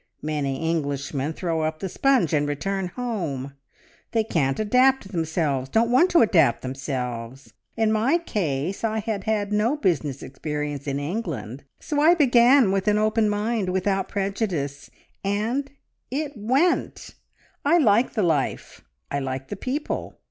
Many Englishmen throw up the sponge and return home. They can't adapt themselves, don't want to adapt themselves. In my case I had had no business experience in England, so I began with an open mind without prejudice, and it went: I like the life, I like the people.